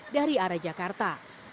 dari arah jakarta